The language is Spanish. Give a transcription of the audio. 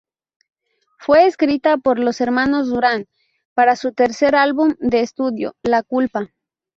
Fue escrita por los hermanos Durán para su tercer álbum de estudio "La culpa".